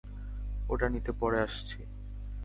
ওটা নিতে পরে আসছি।